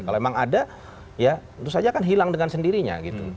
kalau memang ada ya tentu saja akan hilang dengan sendirinya gitu